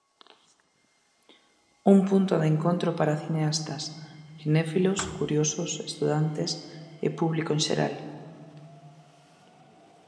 Un punto de encontro para cineastas, cinéfilos, curiosos, estudantes e público en xeral.